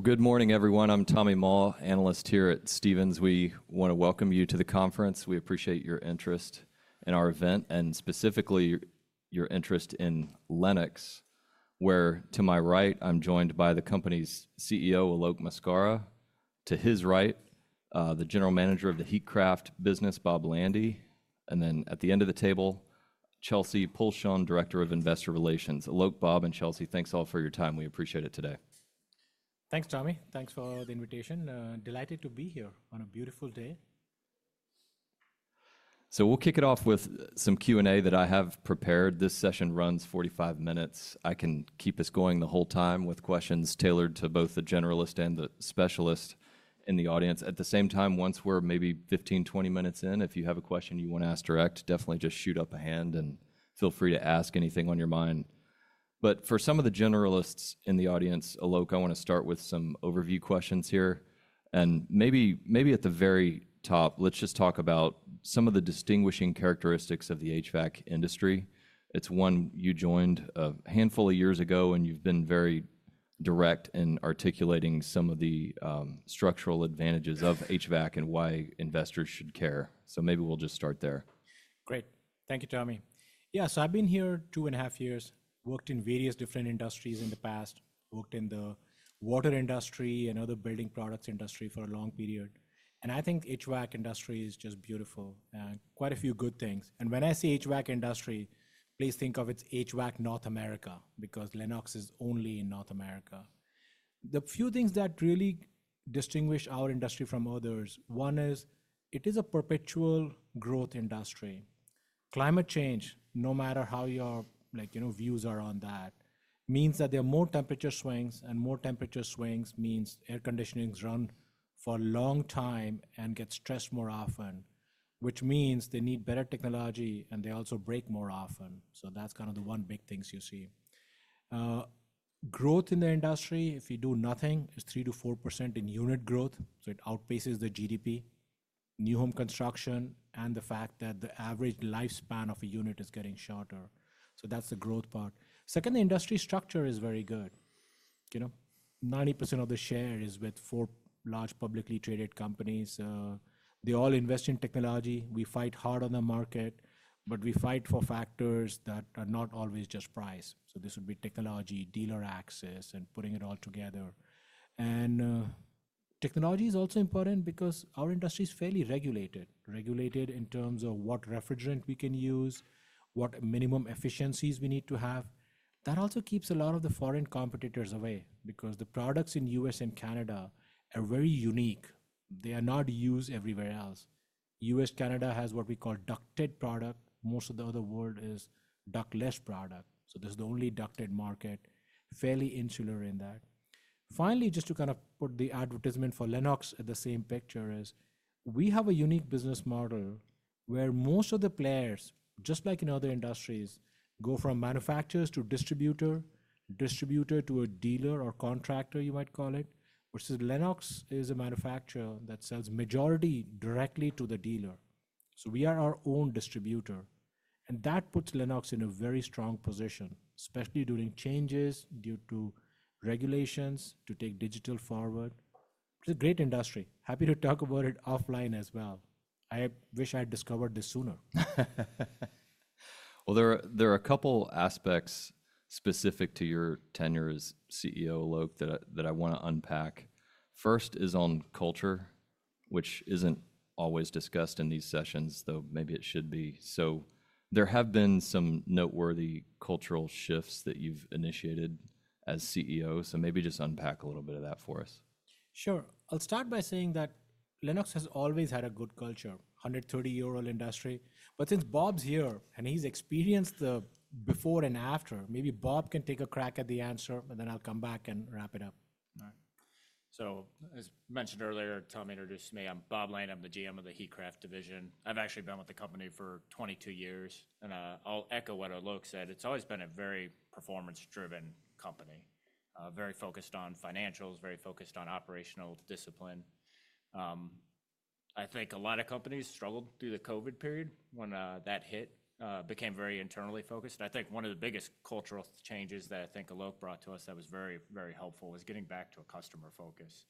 Good morning, everyone. I'm Tommy Moll, analyst here at Stephens. We want to welcome you to the conference. We appreciate your interest in our event, and specifically your interest in Lennox, where, to my right, I'm joined by the company's CEO, Alok Maskara. To his right, the general manager of the Heatcraft business, Bob Land. And then at the end of the table, Chelsea Pulcheon, director of investor relations. Alok, Bob, and Chelsea, thanks all for your time. We appreciate it today. Thanks, Tommy. Thanks for the invitation. Delighted to be here on a beautiful day. So we'll kick it off with some Q&A that I have prepared. This session runs 45 minutes. I can keep us going the whole time with questions tailored to both the generalist and the specialist in the audience. At the same time, once we're maybe 15, 20 minutes in, if you have a question you want to ask directly, definitely just shoot up a hand and feel free to ask anything on your mind. But for some of the generalists in the audience, Alok, I want to start with some overview questions here. And maybe at the very top, let's just talk about some of the distinguishing characteristics of the HVAC industry. It's one you joined a handful of years ago, and you've been very direct in articulating some of the structural advantages of HVAC and why investors should care. So maybe we'll just start there. Great. Thank you, Tommy. Yeah, so I've been here two and a half years, worked in various different industries in the past, worked in the water industry and other building products industry for a long period, and I think HVAC industry is just beautiful and quite a few good things. When I say HVAC industry, please think of it as HVAC North America because Lennox is only in North America. The few things that really distinguish our industry from others, one is it is a perpetual growth industry. Climate change, no matter how your views are on that, means that there are more temperature swings, and more temperature swings means air conditioners run for a long time and get stressed more often, which means they need better technology and they also break more often. So that's kind of the one big things you see. Growth in the industry, if you do nothing, is 3%-4% in unit growth, so it outpaces the GDP. New home construction and the fact that the average lifespan of a unit is getting shorter. So that's the growth part. Second, the industry structure is very good. 90% of the share is with four large publicly traded companies. They all invest in technology. We fight hard on the market, but we fight for factors that are not always just price. So this would be technology, dealer access, and putting it all together. And technology is also important because our industry is fairly regulated, regulated in terms of what refrigerant we can use, what minimum efficiencies we need to have. That also keeps a lot of the foreign competitors away because the products in the US and Canada are very unique. They are not used everywhere else. U.S., Canada has what we call ducted product. Most of the other world is ductless product. So this is the only ducted market, fairly insular in that. Finally, just to kind of put the advertisement for Lennox in the same picture is we have a unique business model where most of the players, just like in other industries, go from manufacturers to distributor, distributor to a dealer or contractor, you might call it, versus Lennox is a manufacturer that sells majority directly to the dealer. So we are our own distributor. And that puts Lennox in a very strong position, especially during changes due to regulations to take digital forward. It's a great industry. Happy to talk about it offline as well. I wish I had discovered this sooner. There are a couple of aspects specific to your tenure as CEO, Alok, that I want to unpack. First is on culture, which isn't always discussed in these sessions, though maybe it should be. So maybe just unpack a little bit of that for us. Sure. I'll start by saying that Lennox has always had a good culture, 130-year-old industry. But since Bob's here and he's experienced the before and after, maybe Bob can take a crack at the answer, and then I'll come back and wrap it up. All right. So as mentioned earlier, Tom introduced me. I'm Bob Land. I'm the GM of the Heatcraft division. I've actually been with the company for 22 years. And I'll echo what Alok said. It's always been a very performance-driven company, very focused on financials, very focused on operational discipline. I think a lot of companies struggled through the COVID period when that hit, became very internally focused. And I think one of the biggest cultural changes that I think Alok brought to us that was very, very helpful was getting back to a customer focus.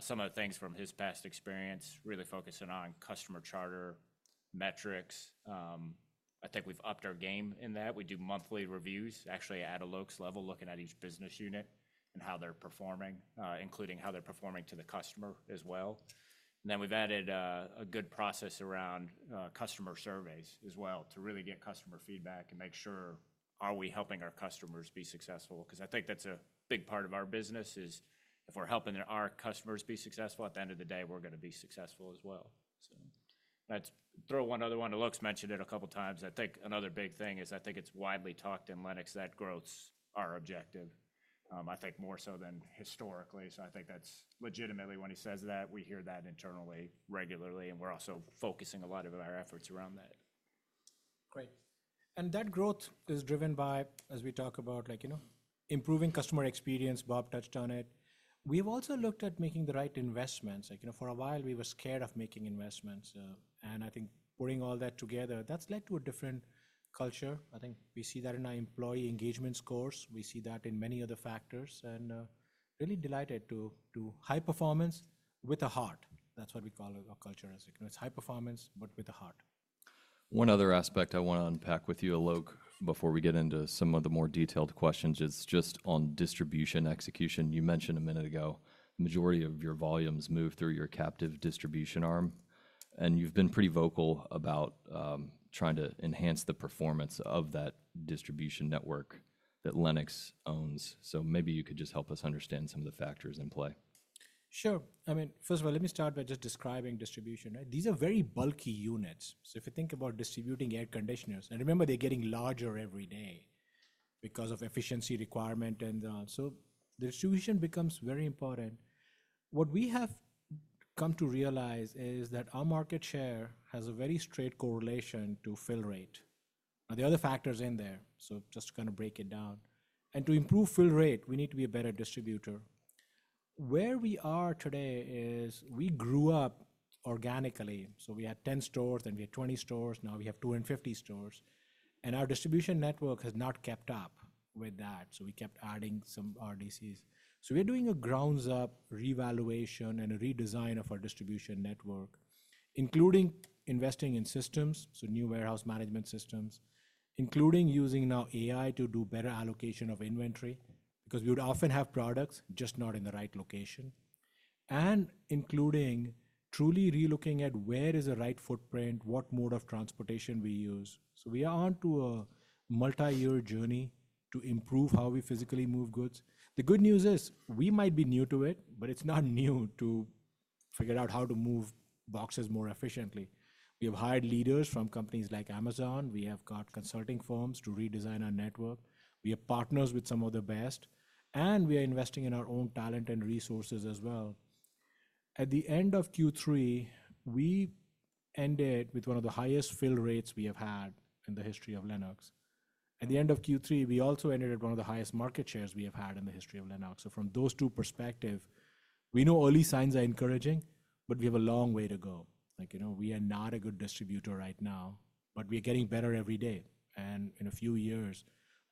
Some of the things from his past experience, really focusing on Customer Charter metrics. I think we've upped our game in that. We do monthly reviews, actually at Alok's level, looking at each business unit and how they're performing, including how they're performing to the customer as well. And then we've added a good process around customer surveys as well to really get customer feedback and make sure are we helping our customers be successful. Because I think that's a big part of our business is if we're helping our customers be successful, at the end of the day, we're going to be successful as well. So let's throw one other one. Alok's mentioned it a couple of times. I think another big thing is I think it's widely talked in Lennox that growth's our objective, I think more so than historically. So I think that's legitimately when he says that, we hear that internally regularly, and we're also focusing a lot of our efforts around that. Great. And that growth is driven by, as we talk about, improving customer experience. Bob touched on it. We've also looked at making the right investments. For a while, we were scared of making investments. And I think putting all that together, that's led to a different culture. I think we see that in our employee engagement scores. We see that in many other factors. And really delighted to high performance with a heart. That's what we call our culture as it. It's high performance, but with a heart. One other aspect I want to unpack with you, Alok, before we get into some of the more detailed questions is just on distribution execution. You mentioned a minute ago the majority of your volumes move through your captive distribution arm. And you've been pretty vocal about trying to enhance the performance of that distribution network that Lennox owns. So maybe you could just help us understand some of the factors in play. Sure. I mean, first of all, let me start by just describing distribution. These are very bulky units. So if you think about distributing air conditioners, and remember they're getting larger every day because of efficiency requirement and so on. So distribution becomes very important. What we have come to realize is that our market share has a very straight correlation to fill rate. Now, there are other factors in there. So just to kind of break it down, and to improve fill rate, we need to be a better distributor. Where we are today is we grew up organically. So we had 10 stores and we had 20 stores. Now we have 250 stores, and our distribution network has not kept up with that. So we kept adding some RDCs. We're doing a ground-up reevaluation and a redesign of our distribution network, including investing in systems, so new warehouse management systems, including using now AI to do better allocation of inventory because we would often have products just not in the right location, and including truly relooking at where is the right footprint, what mode of transportation we use. We are onto a multi-year journey to improve how we physically move goods. The good news is we might be new to it, but it's not new to figure out how to move boxes more efficiently. We have hired leaders from companies like Amazon. We have got consulting firms to redesign our network. We have partners with some of the best. We are investing in our own talent and resources as well. At the end of Q3, we ended with one of the highest fill rates we have had in the history of Lennox. At the end of Q3, we also ended at one of the highest market shares we have had in the history of Lennox. So from those two perspectives, we know early signs are encouraging, but we have a long way to go. We are not a good distributor right now, but we are getting better every day. And in a few years,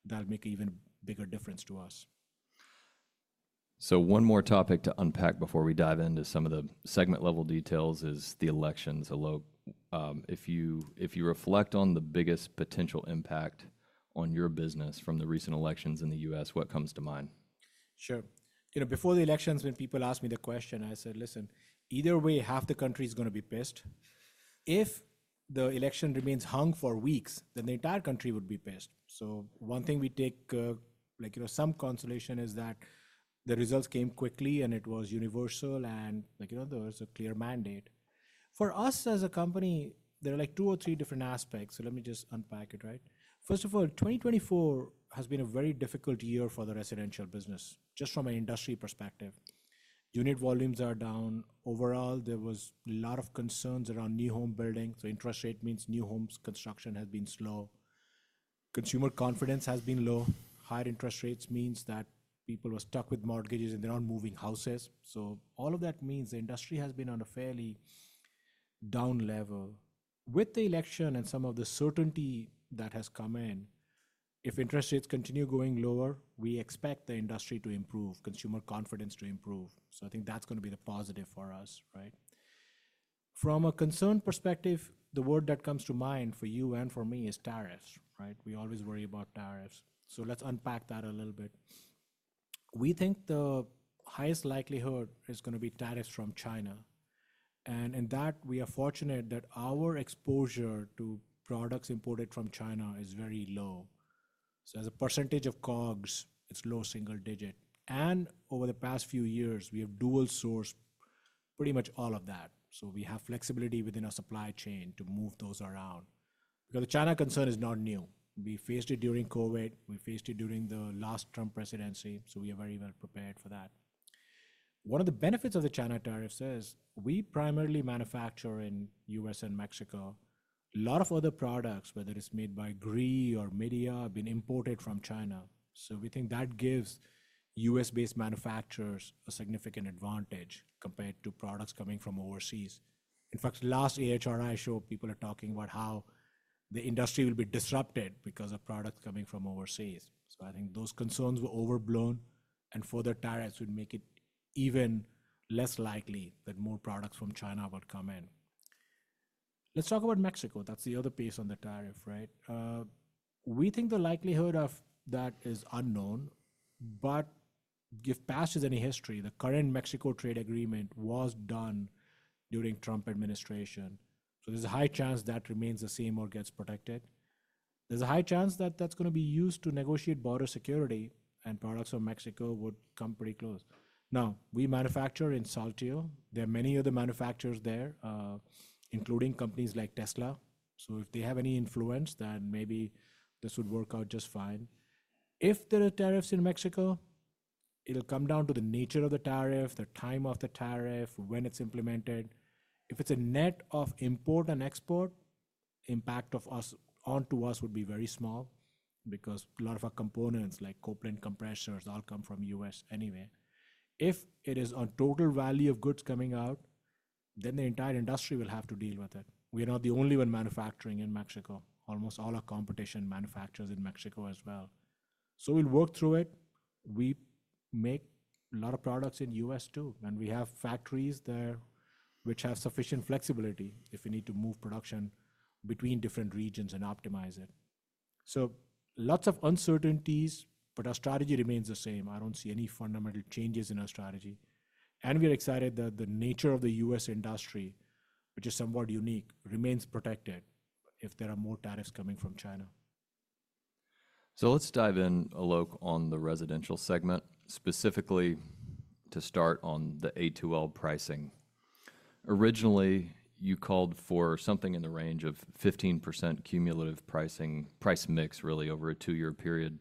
that'll make an even bigger difference to us. So one more topic to unpack before we dive into some of the segment-level details is the elections, Alok. If you reflect on the biggest potential impact on your business from the recent elections in the U.S., what comes to mind? Sure. Before the elections, when people asked me the question, I said, "Listen, either way, half the country is going to be pissed. If the election remains hung for weeks, then the entire country would be pissed." So one thing we take some consolation is that the results came quickly and it was universal and there was a clear mandate. For us as a company, there are like two or three different aspects. So let me just unpack it, right? First of all, 2024 has been a very difficult year for the residential business, just from an industry perspective. Unit volumes are down. Overall, there was a lot of concerns around new home building. So interest rate means new homes construction has been slow. Consumer confidence has been low. Higher interest rates means that people were stuck with mortgages and they're not moving houses. So all of that means the industry has been on a fairly down level. With the election and some of the certainty that has come in, if interest rates continue going lower, we expect the industry to improve, consumer confidence to improve. So I think that's going to be the positive for us, right? From a concern perspective, the word that comes to mind for you and for me is tariffs, right? We always worry about tariffs. So let's unpack that a little bit. We think the highest likelihood is going to be tariffs from China. And in that, we are fortunate that our exposure to products imported from China is very low. So as a percentage of COGS, it's low single digit. And over the past few years, we have dual sourced pretty much all of that. So we have flexibility within our supply chain to move those around. Because the China concern is not new. We faced it during COVID. We faced it during the last Trump presidency. So we are very well prepared for that. One of the benefits of the China tariffs is we primarily manufacture in the U.S. and Mexico. A lot of other products, whether it's made by Gree or Midea, have been imported from China. So we think that gives U.S.-based manufacturers a significant advantage compared to products coming from overseas. In fact, last AHRI show, people are talking about how the industry will be disrupted because of products coming from overseas. So I think those concerns were overblown, and further tariffs would make it even less likely that more products from China would come in. Let's talk about Mexico. That's the other piece on the tariff, right? We think the likelihood of that is unknown. But if past is any history, the current Mexico trade agreement was done during Trump administration. So there's a high chance that remains the same or gets protected. There's a high chance that that's going to be used to negotiate border security, and products from Mexico would come pretty close. Now, we manufacture in Saltillo. There are many other manufacturers there, including companies like Tesla. So if they have any influence, then maybe this would work out just fine. If there are tariffs in Mexico, it'll come down to the nature of the tariff, the time of the tariff, when it's implemented. If it's a net of import and export, impact onto us would be very small because a lot of our components, like Copeland compressors, all come from the U.S. anyway. If it is on total value of goods coming out, then the entire industry will have to deal with it. We are not the only one manufacturing in Mexico. Almost all our competition manufactures in Mexico as well, so we'll work through it. We make a lot of products in the U.S. too, and we have factories there which have sufficient flexibility if we need to move production between different regions and optimize it, so lots of uncertainties, but our strategy remains the same. I don't see any fundamental changes in our strategy, and we are excited that the nature of the U.S. industry, which is somewhat unique, remains protected if there are more tariffs coming from China. So let's dive in, Alok, on the residential segment, specifically to start on the A2L pricing. Originally, you called for something in the range of 15% cumulative pricing price mix, really, over a two-year period.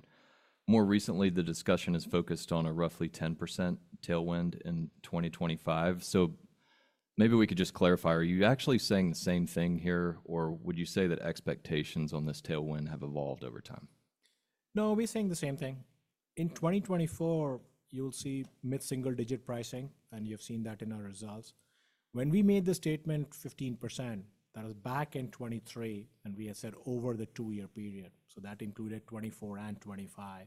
More recently, the discussion has focused on a roughly 10% tailwind in 2025. So maybe we could just clarify. Are you actually saying the same thing here, or would you say that expectations on this tailwind have evolved over time? No, we're saying the same thing. In 2024, you'll see mid-single-digit pricing, and you've seen that in our results. When we made the statement 15%, that was back in 2023, and we had said over the two-year period. So that included 2024 and 2025.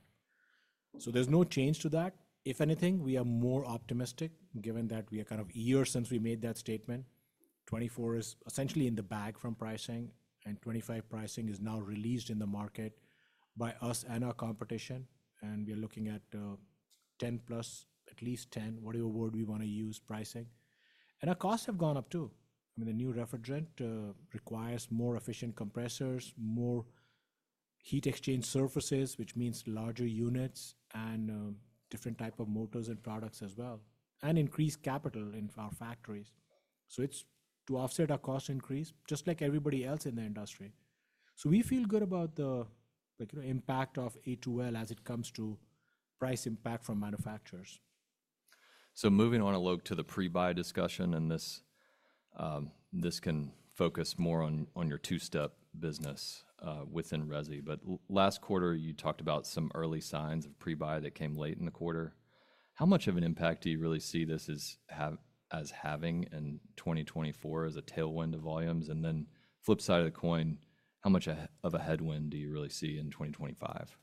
So there's no change to that. If anything, we are more optimistic given that we are kind of a year since we made that statement. 2024 is essentially in the bag from pricing, and 2025 pricing is now released in the market by us and our competition. And we're looking at 10 plus, at least 10, whatever word we want to use, pricing. And our costs have gone up too. I mean, the new refrigerant requires more efficient compressors, more heat exchange surfaces, which means larger units and different types of motors and products as well, and increased capital in our factories. So it's to offset our cost increase, just like everybody else in the industry. So we feel good about the impact of A2L as it comes to price impact from manufacturers. So moving on, Alok, to the pre-buy discussion, and this can focus more on your two-step business within Resi. But last quarter, you talked about some early signs of pre-buy that came late in the quarter. How much of an impact do you really see this as having in 2024 as a tailwind of volumes? And then, flip side of the coin, how much of a headwind do you really see in 2025?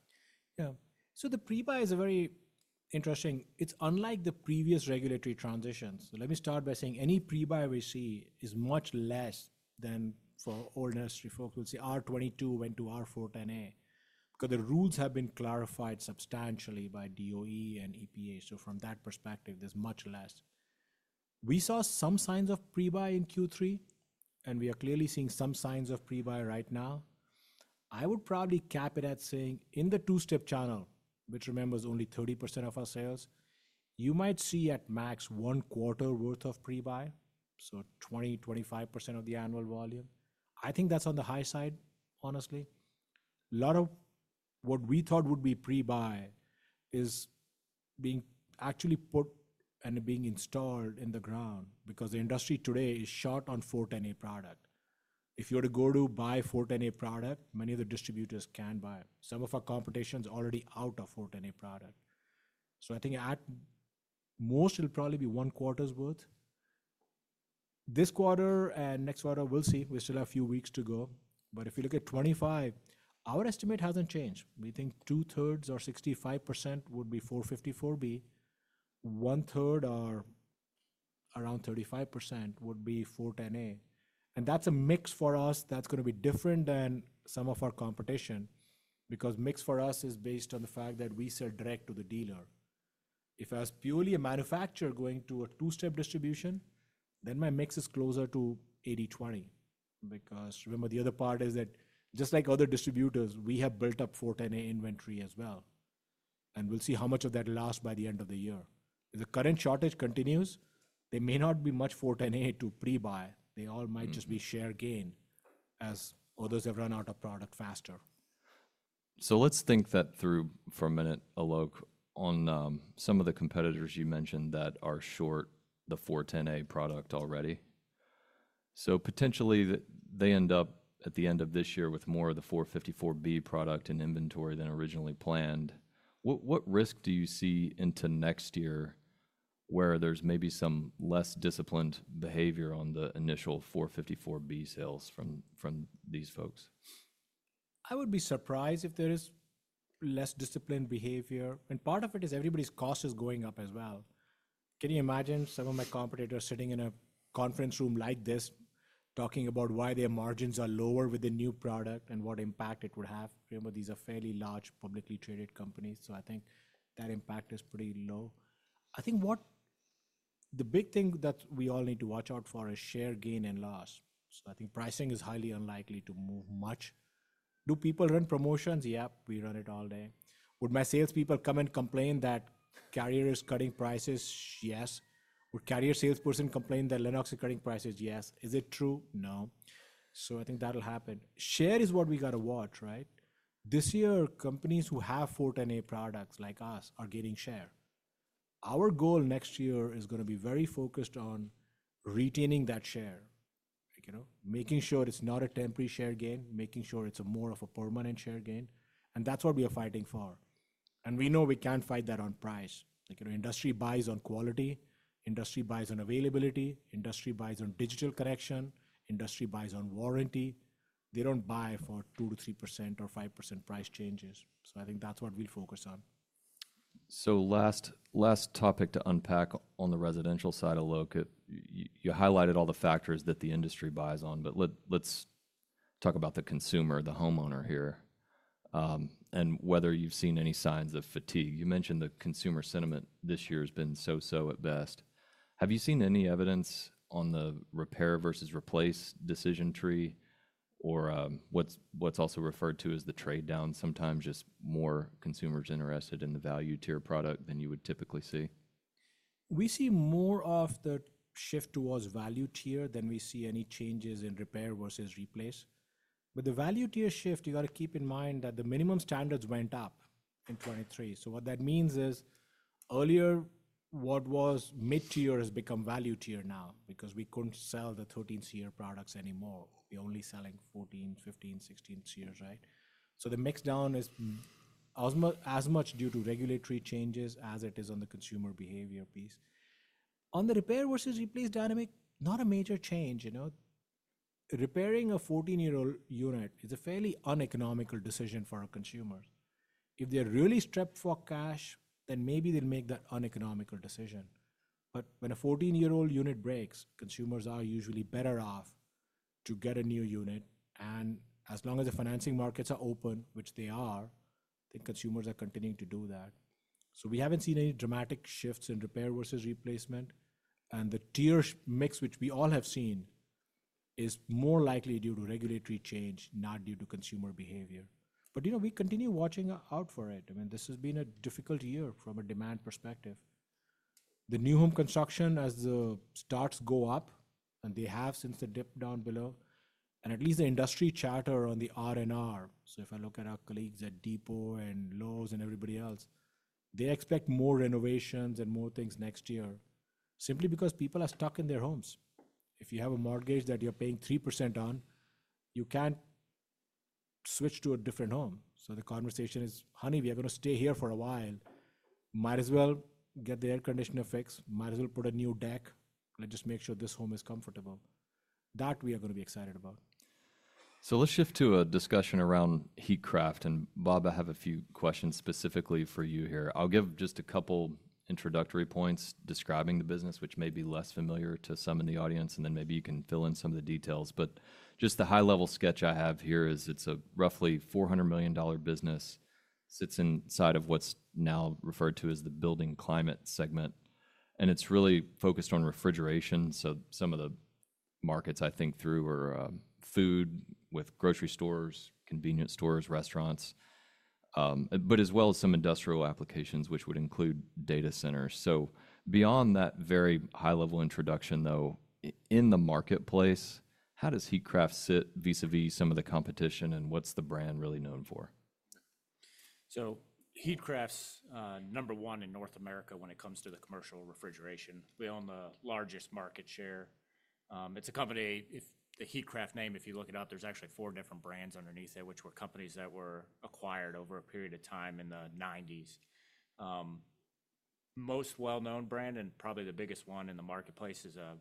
Yeah. So the pre-buy is very interesting. It's unlike the previous regulatory transitions. Let me start by saying any pre-buy we see is much less than for old industry folks. We'll see R-22 went to R-410A because the rules have been clarified substantially by DOE and EPA. So from that perspective, there's much less. We saw some signs of pre-buy in Q3, and we are clearly seeing some signs of pre-buy right now. I would probably cap it at saying in the two-step channel, which remembers only 30% of our sales, you might see at max one quarter worth of pre-buy, so 20%, 25% of the annual volume. I think that's on the high side, honestly. A lot of what we thought would be pre-buy is being actually put and being installed in the ground because the industry today is short on R-410A product. If you were to go to buy R-410A product, many of the distributors can't buy. Some of our competition is already out of R-410A product. So I think at most, it'll probably be one quarter's worth. This quarter and next quarter, we'll see. We still have a few weeks to go. But if you look at 2025, our estimate hasn't changed. We think two-thirds or 65% would be R-454B. One-third or around 35% would be R-410A. And that's a mix for us that's going to be different than some of our competition because mix for us is based on the fact that we sell direct to the dealer. If I was purely a manufacturer going to a two-step distribution, then my mix is closer to 80%-20% because remember, the other part is that just like other distributors, we have built up R-410A inventory as well. We'll see how much of that lasts by the end of the year. If the current shortage continues, there may not be much 410A to pre-buy. They all might just be share gain as others have run out of product faster. So, let's think that through for a minute, Alok, on some of the competitors you mentioned that are short the 410A product already. So potentially, they end up at the end of this year with more of the 454B product in inventory than originally planned. What risk do you see into next year where there's maybe some less disciplined behavior on the initial 454B sales from these folks? I would be surprised if there is less disciplined behavior. And part of it is everybody's cost is going up as well. Can you imagine some of my competitors sitting in a conference room like this talking about why their margins are lower with the new product and what impact it would have? Remember, these are fairly large publicly traded companies. So I think that impact is pretty low. I think the big thing that we all need to watch out for is share gain and loss. So I think pricing is highly unlikely to move much. Do people run promotions? Yep, we run it all day. Would my salespeople come and complain that Carrier is cutting prices? Yes. Would Carrier salesperson complain that Lennox is cutting prices? Yes. Is it true? No. So I think that'll happen. Share is what we got to watch, right? This year, companies who have 410A products like us are getting share. Our goal next year is going to be very focused on retaining that share, making sure it's not a temporary share gain, making sure it's more of a permanent share gain. And that's what we are fighting for. And we know we can't fight that on price. Industry buys on quality. Industry buys on availability. Industry buys on digital connection. Industry buys on warranty. They don't buy for 2%-3% or 5% price changes. So I think that's what we'll focus on. So last topic to unpack on the residential side, Alok, you highlighted all the factors that the industry buys on, but let's talk about the consumer, the homeowner here, and whether you've seen any signs of fatigue. You mentioned the consumer sentiment this year has been so-so at best. Have you seen any evidence on the repair versus replace decision tree or what's also referred to as the trade-down, sometimes just more consumers interested in the value tier product than you would typically see? We see more of the shift towards value tier than we see any changes in repair versus replace. With the value tier shift, you got to keep in mind that the minimum standards went up in 2023. So what that means is earlier, what was mid-tier has become value tier now because we couldn't sell the 13 SEER products anymore. We're only selling 14, 15, 16 SEER, right? So the mixdown is as much due to regulatory changes as it is on the consumer behavior piece. On the repair versus replace dynamic, not a major change. Repairing a 14-year-old unit is a fairly uneconomical decision for our consumers. If they're really strapped for cash, then maybe they'll make that uneconomical decision. But when a 14-year-old unit breaks, consumers are usually better off to get a new unit. As long as the financing markets are open, which they are, I think consumers are continuing to do that. So we haven't seen any dramatic shifts in repair versus replacement. And the tier mix, which we all have seen, is more likely due to regulatory change, not due to consumer behavior. But we continue watching out for it. I mean, this has been a difficult year from a demand perspective. The new home construction, as the stocks go up, and they have since the dip down below, and at least the industry charter on the R&R. So if I look at our colleagues at Home Depot and Lowe's and everybody else, they expect more renovations and more things next year simply because people are stuck in their homes. If you have a mortgage that you're paying 3% on, you can't switch to a different home. So the conversation is, "Honey, we are going to stay here for a while. Might as well get the air conditioner fixed. Might as well put a new deck. Let's just make sure this home is comfortable." That we are going to be excited about. So let's shift to a discussion around Heatcraft. And Bob, I have a few questions specifically for you here. I'll give just a couple of introductory points describing the business, which may be less familiar to some in the audience, and then maybe you can fill in some of the details. But just the high-level sketch I have here is it's a roughly $400 million business. It sits inside of what's now referred to as the Building Climate segment. And it's really focused on refrigeration. So some of the markets, I think, include food with grocery stores, convenience stores, restaurants, but as well as some industrial applications, which would include data centers. So beyond that very high-level introduction, though, in the marketplace, how does Heatcraft sit vis-à-vis some of the competition, and what's the brand really known for? So Heatcraft's number one in North America when it comes to the commercial refrigeration. We own the largest market share. It's a company. The Heatcraft name, if you look it up, there's actually four different brands underneath there, which were companies that were acquired over a period of time in the 1990s. Most well-known brand and probably the biggest one in the marketplace is a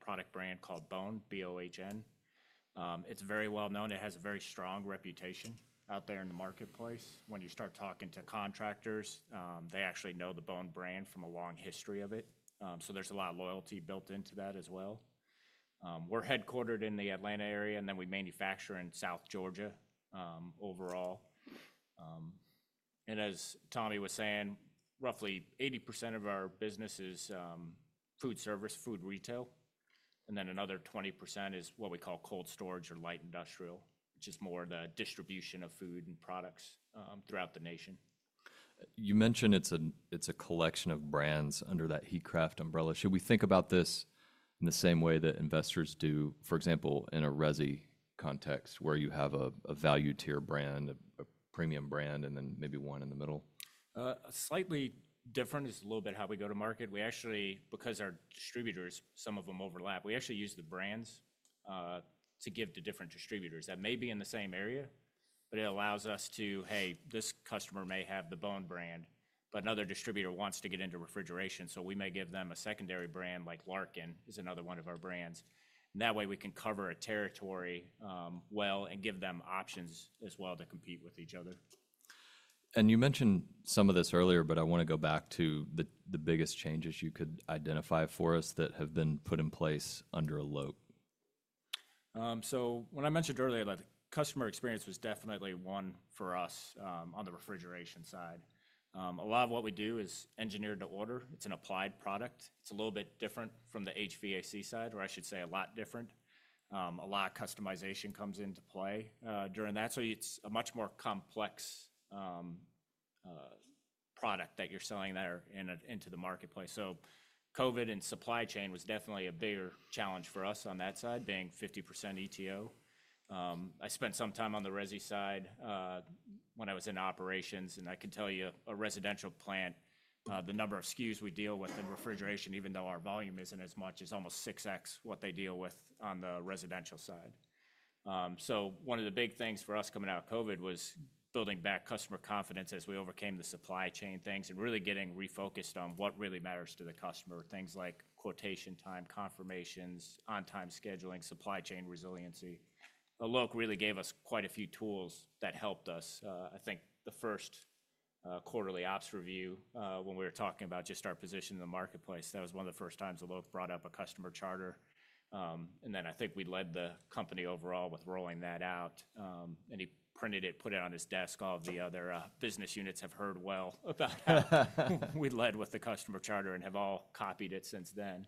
product brand called Bohn, B-O-H-N. It's very well-known. It has a very strong reputation out there in the marketplace. When you start talking to contractors, they actually know the Bohn brand from a long history of it. So there's a lot of loyalty built into that as well. We're headquartered in the Atlanta area, and then we manufacture in South Georgia overall. And as Tommy was saying, roughly 80% of our business is food service, food retail. Another 20% is what we call cold storage or light industrial, which is more the distribution of food and products throughout the nation. You mentioned it's a collection of brands under that Heatcraft umbrella. Should we think about this in the same way that investors do, for example, in a resi context where you have a value tier brand, a premium brand, and then maybe one in the middle? Slightly different is a little bit how we go to market. We actually, because our distributors, some of them overlap, we actually use the brands to give to different distributors that may be in the same area, but it allows us to, "Hey, this customer may have the Bohn brand, but another distributor wants to get into refrigeration." So we may give them a secondary brand like Larkin is another one of our brands. That way, we can cover a territory well and give them options as well to compete with each other. You mentioned some of this earlier, but I want to go back to the biggest changes you could identify for us that have been put in place under Alok. So when I mentioned earlier, the customer experience was definitely one for us on the refrigeration side. A lot of what we do is engineered to order. It's an applied product. It's a little bit different from the HVAC side, or I should say a lot different. A lot of customization comes into play during that. So it's a much more complex product that you're selling there into the marketplace. So COVID and supply chain was definitely a bigger challenge for us on that side, being 50% ETO. I spent some time on the Resi side when I was in operations, and I can tell you a residential plant, the number of SKUs we deal with in refrigeration, even though our volume isn't as much, is almost 6X what they deal with on the residential side. One of the big things for us coming out of COVID was building back customer confidence as we overcame the supply chain things and really getting refocused on what really matters to the customer, things like quotation time, confirmations, on-time scheduling, supply chain resiliency. Alok really gave us quite a few tools that helped us. I think the first quarterly ops review, when we were talking about just our position in the marketplace, that was one of the first times Alok brought up a Customer Charter. And then I think we led the company overall with rolling that out. And he printed it, put it on his desk. All of the other business units have heard well about how we led with the Customer Charter and have all copied it since then.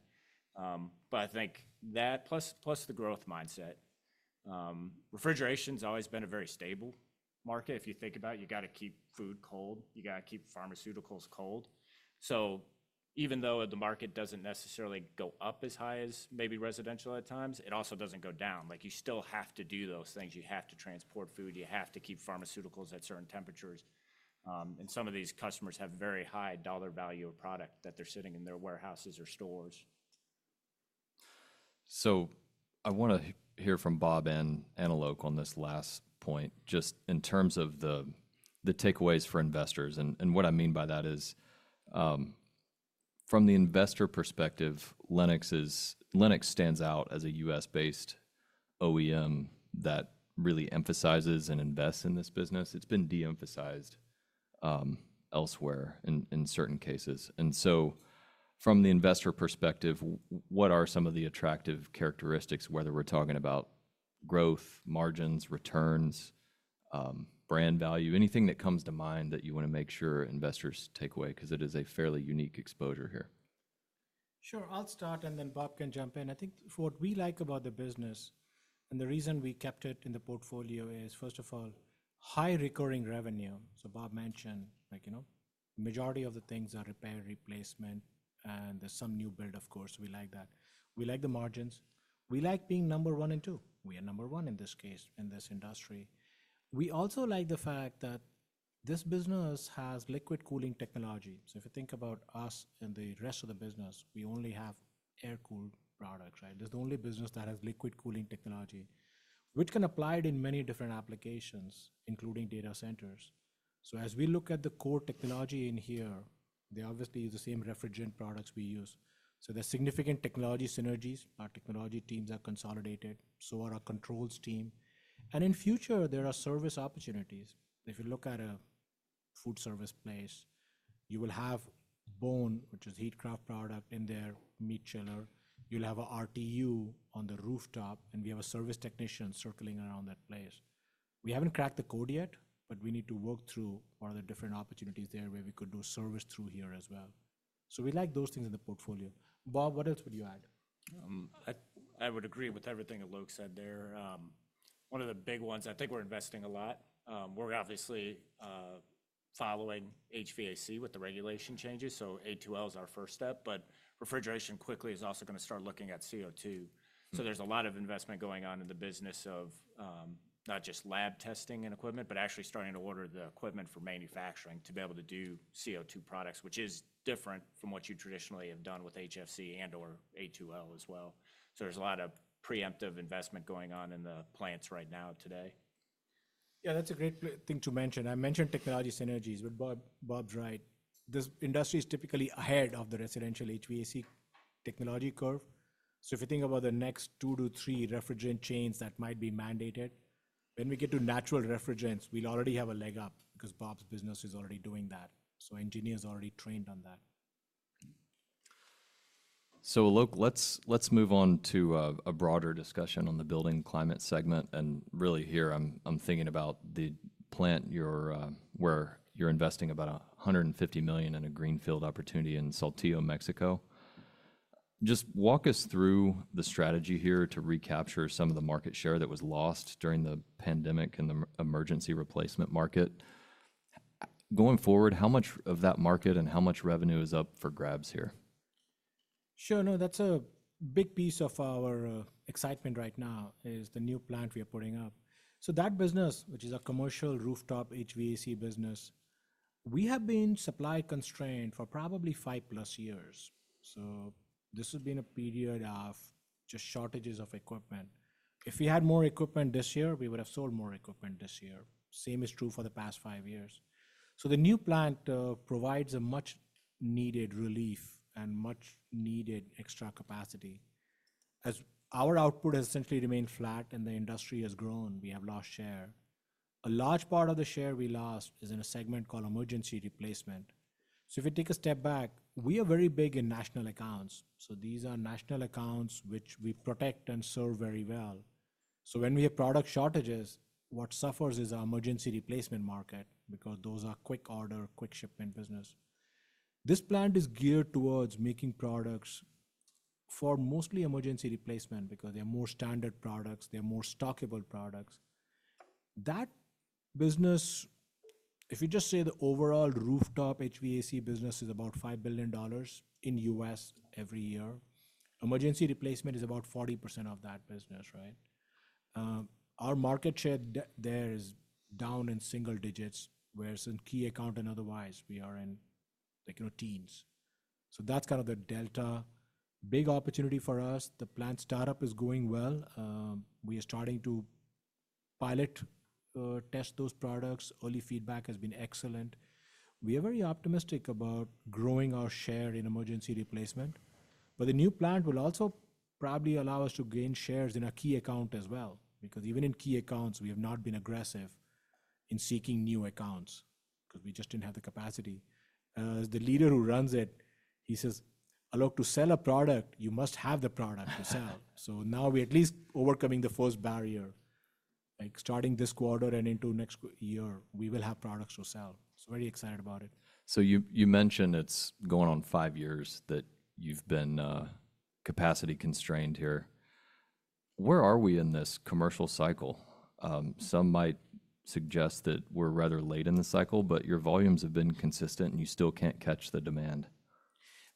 But I think that plus the growth mindset. Refrigeration has always been a very stable market. If you think about it, you got to keep food cold. You got to keep pharmaceuticals cold. So even though the market doesn't necessarily go up as high as maybe residential at times, it also doesn't go down. You still have to do those things. You have to transport food. You have to keep pharmaceuticals at certain temperatures, and some of these customers have very high dollar value of product that they're sitting in their warehouses or stores. So I want to hear from Bob and Alok on this last point, just in terms of the takeaways for investors. And what I mean by that is from the investor perspective, Lennox stands out as a U.S.-based OEM that really emphasizes and invests in this business. It's been de-emphasized elsewhere in certain cases. And so from the investor perspective, what are some of the attractive characteristics, whether we're talking about growth, margins, returns, brand value, anything that comes to mind that you want to make sure investors take away because it is a fairly unique exposure here? Sure. I'll start, and then Bob can jump in. I think what we like about the business and the reason we kept it in the portfolio is, first of all, high recurring revenue. So Bob mentioned the majority of the things are repair, replacement, and there's some new build, of course. We like that. We like the margins. We like being number one and two. We are number one in this case, in this industry. We also like the fact that this business has liquid cooling technology. So if you think about us and the rest of the business, we only have air-cooled products, right? This is the only business that has liquid cooling technology, which can apply in many different applications, including data centers. So as we look at the core technology in here, they obviously use the same refrigerant products we use. So there's significant technology synergies. Our technology teams are consolidated. So are our controls team. And in future, there are service opportunities. If you look at a food service place, you will have Bohn, which is a Heatcraft product in their meat chiller. You'll have an RTU on the rooftop, and we have a service technician circling around that place. We haven't cracked the code yet, but we need to work through what are the different opportunities there where we could do service through here as well. So we like those things in the portfolio. Bob, what else would you add? I would agree with everything Alok said there. One of the big ones, I think we're investing a lot. We're obviously following HVAC with the regulation changes. So A2L is our first step, but refrigeration quickly is also going to start looking at CO2. So there's a lot of investment going on in the business of not just lab testing and equipment, but actually starting to order the equipment for manufacturing to be able to do CO2 products, which is different from what you traditionally have done with HFC and/or A2L as well. So there's a lot of preemptive investment going on in the plants right now today. Yeah, that's a great thing to mention. I mentioned technology synergies, but Bob's right. This industry is typically ahead of the residential HVAC technology curve, so if you think about the next two to three refrigerant changes that might be mandated, when we get to natural refrigerants, we'll already have a leg up because Bob's business is already doing that, so engineers are already trained on that. Alok, let's move on to a broader discussion on the Building Climate segment. Really here, I'm thinking about the plant where you're investing about $150 million in a greenfield opportunity in Saltillo, Mexico. Just walk us through the strategy here to recapture some of the market share that was lost during the pandemic and the emergency replacement market. Going forward, how much of that market and how much revenue is up for grabs here? Sure. No, that's a big piece of our excitement right now is the new plant we are putting up. So that business, which is a commercial rooftop HVAC business, we have been supply constrained for probably five plus years. So this has been a period of just shortages of equipment. If we had more equipment this year, we would have sold more equipment this year. Same is true for the past five years. So the new plant provides a much-needed relief and much-needed extra capacity. As our output has essentially remained flat and the industry has grown, we have lost share. A large part of the share we lost is in a segment called emergency replacement. So if we take a step back, we are very big in national accounts. So these are national accounts which we protect and serve very well. So when we have product shortages, what suffers is our emergency replacement market because those are quick order, quick shipment business. This plant is geared towards making products for mostly emergency replacement because they are more standard products. They are more stockable products. That business, if you just say the overall rooftop HVAC business is about $5 billion in U.S. every year, emergency replacement is about 40% of that business, right? Our market share there is down in single digits, whereas in key account and otherwise, we are in teens. So that's kind of the delta big opportunity for us. The plant startup is going well. We are starting to pilot test those products. Early feedback has been excellent. We are very optimistic about growing our share in emergency replacement. But the new plant will also probably allow us to gain shares in a key account as well because even in key accounts, we have not been aggressive in seeking new accounts because we just didn't have the capacity. As the leader who runs it, he says, "Alok, to sell a product, you must have the product to sell." So now we're at least overcoming the first barrier. Starting this quarter and into next year, we will have products to sell. So very excited about it. So you mentioned it's going on five years that you've been capacity constrained here. Where are we in this commercial cycle? Some might suggest that we're rather late in the cycle, but your volumes have been consistent and you still can't catch the demand.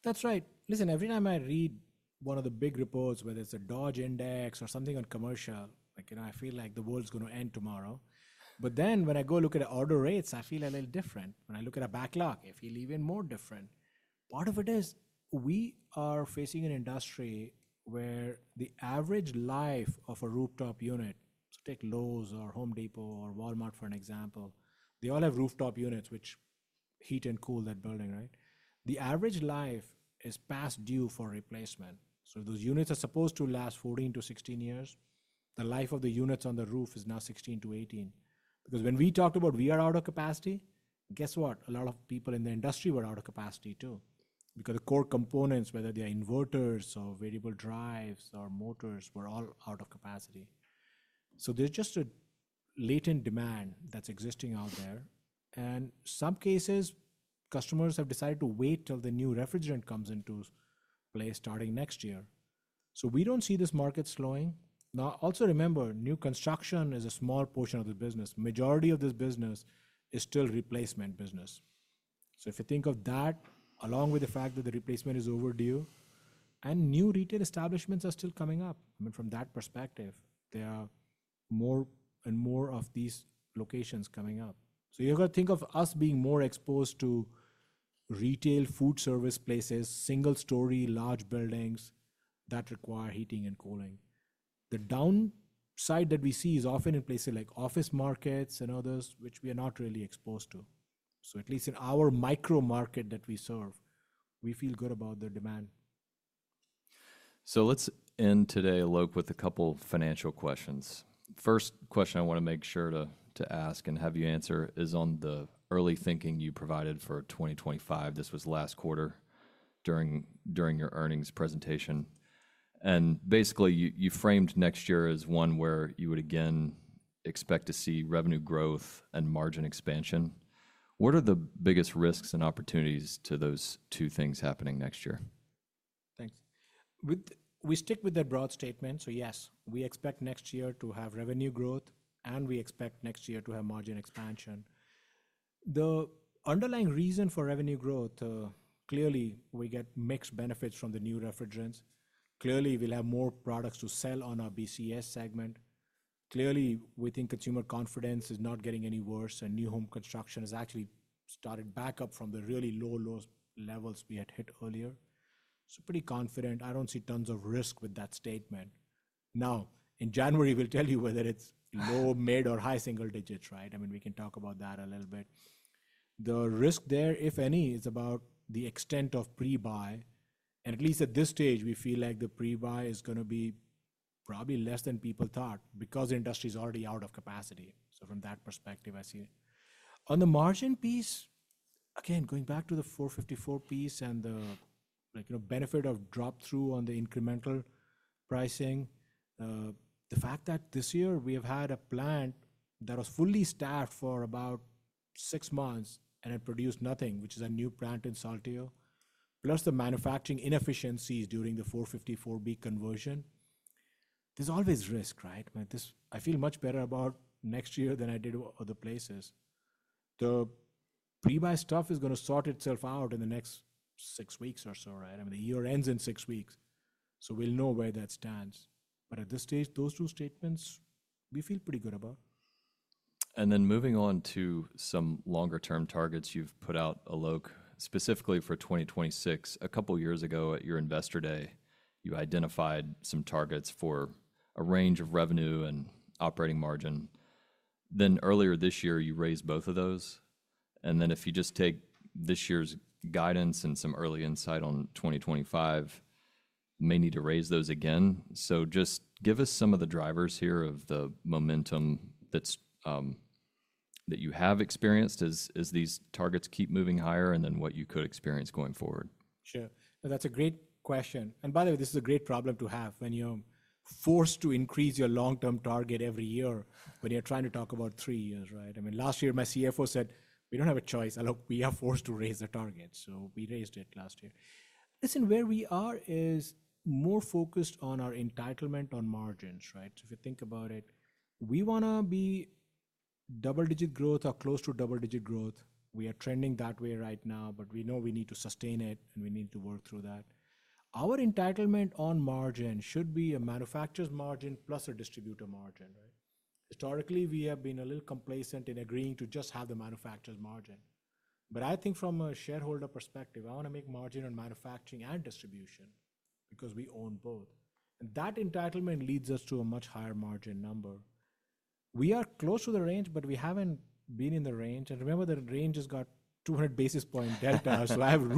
That's right. Listen, every time I read one of the big reports, whether it's the Dodge Index or something on commercial, I feel like the world's going to end tomorrow. But then when I go look at order rates, I feel a little different. When I look at a backlog, I feel even more different. Part of it is we are facing an industry where the average life of a rooftop unit, so take Lowe's or Home Depot or Walmart for an example, they all have rooftop units, which heat and cool that building, right? The average life is past due for replacement. So those units are supposed to last 14-16 years. The life of the units on the roof is now 16-18. Because when we talked about we are out of capacity, guess what? A lot of people in the industry were out of capacity too because the core components, whether they are inverters or variable drives or motors, were all out of capacity, so there's just a latent demand that's existing out there, and in some cases, customers have decided to wait till the new refrigerant comes into play starting next year, so we don't see this market slowing. Now, also remember, new construction is a small portion of the business. Majority of this business is still replacement business, so if you think of that, along with the fact that the replacement is overdue, and new retail establishments are still coming up. I mean, from that perspective, there are more and more of these locations coming up, so you're going to think of us being more exposed to retail food service places, single-story, large buildings that require heating and cooling. The downside that we see is often in places like office markets and others, which we are not really exposed to, so at least in our micro market that we serve, we feel good about the demand. So let's end today, Alok, with a couple of financial questions. First question I want to make sure to ask and have you answer is on the early thinking you provided for 2025. This was last quarter during your earnings presentation. And basically, you framed next year as one where you would again expect to see revenue growth and margin expansion. What are the biggest risks and opportunities to those two things happening next year? Thanks. We stick with that broad statement. So yes, we expect next year to have revenue growth, and we expect next year to have margin expansion. The underlying reason for revenue growth, clearly, we get mixed benefits from the new refrigerants. Clearly, we'll have more products to sell on our BCS segment. Clearly, we think consumer confidence is not getting any worse, and new home construction has actually started back up from the really low, low levels we had hit earlier. So pretty confident. I don't see tons of risk with that statement. Now, in January, we'll tell you whether it's low, mid, or high single digits, right? I mean, we can talk about that a little bit. The risk there, if any, is about the extent of pre-buy. At least at this stage, we feel like the pre-buy is going to be probably less than people thought because the industry is already out of capacity. So from that perspective, I see it. On the margin piece, again, going back to the 454 piece and the benefit of drop-through on the incremental pricing, the fact that this year we have had a plant that was fully staffed for about six months and had produced nothing, which is a new plant in Saltillo, plus the manufacturing inefficiencies during the 454B conversion, there's always risk, right? I feel much better about next year than I did other places. The pre-buy stuff is going to sort itself out in the next six weeks or so, right? I mean, the year ends in six weeks, so we'll know where that stands. But at this stage, those two statements, we feel pretty good about. And then moving on to some longer-term targets you've put out, Alok, specifically for 2026. A couple of years ago at your investor day, you identified some targets for a range of revenue and operating margin. Then earlier this year, you raised both of those. And then if you just take this year's guidance and some early insight on 2025, you may need to raise those again. So just give us some of the drivers here of the momentum that you have experienced as these targets keep moving higher and then what you could experience going forward. Sure. That's a great question. And by the way, this is a great problem to have when you're forced to increase your long-term target every year when you're trying to talk about three years, right? I mean, last year, my CFO said, "We don't have a choice. Alok, we are forced to raise the target." So we raised it last year. Listen, where we are is more focused on our entitlement on margins, right? So if you think about it, we want to be double-digit growth or close to double-digit growth. We are trending that way right now, but we know we need to sustain it and we need to work through that. Our entitlement on margin should be a manufacturer's margin plus a distributor margin, right? Historically, we have been a little complacent in agreeing to just have the manufacturer's margin. But I think from a shareholder perspective, I want to make margin on manufacturing and distribution because we own both. And that entitlement leads us to a much higher margin number. We are close to the range, but we haven't been in the range. And remember, the range has got 200 basis point delta. So I have.